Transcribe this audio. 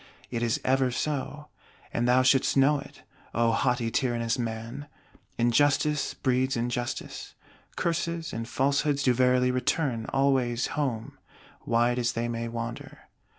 It is ever so; and thou shouldst know it, O haughty tyrannous man; injustice breeds injustice; curses and falsehoods do verily return "always home," wide as they may wander.